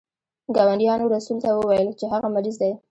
ګاونډیانو رسول ته وویل چې هغه مریض دی.